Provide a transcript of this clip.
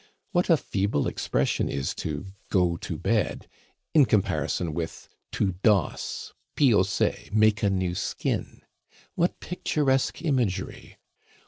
What a feeble expression is to go to bed in comparison with "to doss" (piausser, make a new skin). What picturesque imagery!